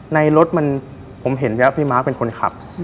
ในรถมันผมเห็นแล้วพี่มาร์คเป็นคนขับ